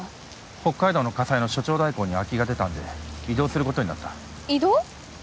北海道の家裁の所長代行に空きが出たんで異動することになった異動！？